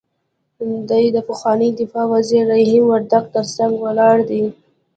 دی د پخواني دفاع وزیر رحیم وردګ تر څنګ ولاړ دی.